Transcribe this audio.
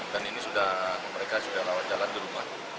dan ini sudah mereka sudah lawan jalan di rumah